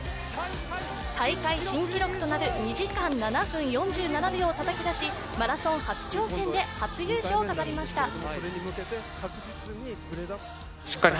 大会新記録となる２時間７分４７秒をたたき出しマラソン初挑戦で初優勝を飾りました。